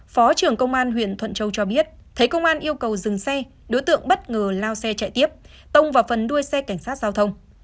phó trưởng công an huyện thuận châu cho biết thấy công an yêu cầu dừng xe đối tượng bất ngờ lao xe chạy tiếp tông vào phần đuôi xe cảnh sát giao thông